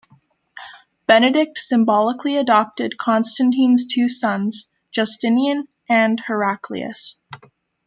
Benedict symbolically adopted Constantine's two sons Justinian and Heraclius.